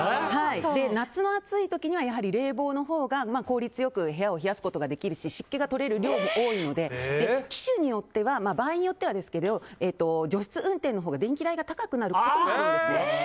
夏の暑い時にはやはり冷房のほうが効率良く部屋を冷やすことができるし湿気のとれる量が多いので機種によっては場合によってはですが除湿運転のほうが電気代が高くなるんですね。